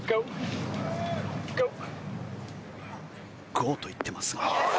ゴーと言っていますが。